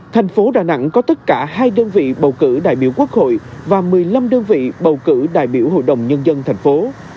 thành phố đà nẵng có tất cả hai đơn vị bầu cử đại biểu quốc hội và một mươi năm đơn vị bầu cử đại biểu hội đồng nhân dân thành phố